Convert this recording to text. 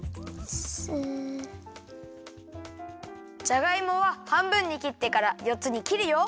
じゃがいもははんぶんにきってから４つにきるよ。